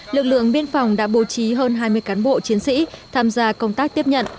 lực lượng biên phòng đã bố trí hơn hai mươi cán bộ chiến sĩ tham gia công tác tiếp nhận